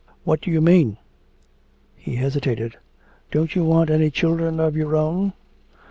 "What do you mean?" He hesitated: "Don't you want any children of your own?"